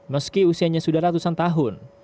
meski usianya sudah ratusan tahun